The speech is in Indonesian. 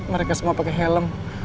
mereka semua pake helm